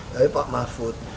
tapi pak mahfud